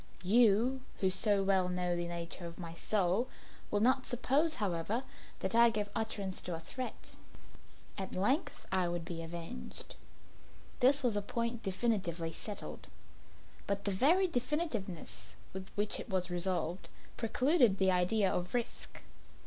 You, who so well know the nature of my soul, will not suppose, however, that I gave utterance to a threat. At length I would be avenged; this was a point definitely settled but the very definitiveness with which it was resolved, precluded the idea of risk.